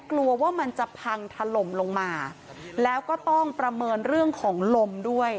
กลัวว่ามันจะพังถล่มลงมาแล้วก็ต้องประเมินเรื่องของลมด้วย